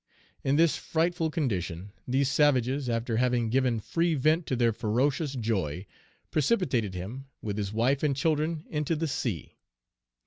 In this frightful condition, these savages, after having given free vent to their ferocious joy, precipitated him, with his wife and children, into the sea.